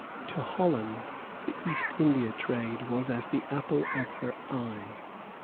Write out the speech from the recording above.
To Holland the East India trade was as the apple of her eye.